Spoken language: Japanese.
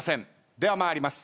では参ります。